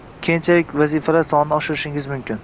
Keyinchalik vazifalar sonini oshirishingiz mumkin